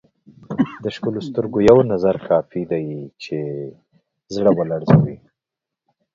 د ښکلو سترګو یو نظر کافي دی چې زړه ولړزوي.